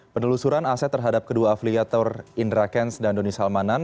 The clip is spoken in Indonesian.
penelusuran aset terhadap kedua afiliator indra kents dan doni salmanan